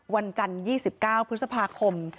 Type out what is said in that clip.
วันจันทร์๒๙พฤษภาคม